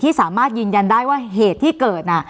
สามารถยืนยันได้ว่าเหตุที่เกิด